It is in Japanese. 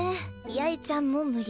ヤエちゃんも無理。